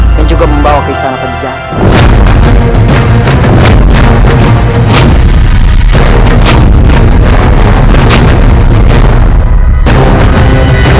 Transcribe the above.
dan juga membawa ke istana penjahat